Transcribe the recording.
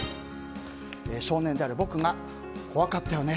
少年である僕がこわかったよね